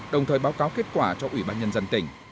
đồng thời báo cáo kết quả cho ủy ban nhân dân tỉnh